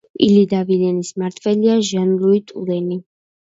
ილი და ვილენის მმართველია ჟან-ლუი ტურენი.